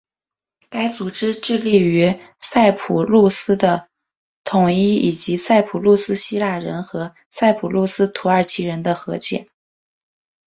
该组织致力于塞浦路斯的统一以及塞浦路斯希腊人和塞浦路斯土耳其人的和解。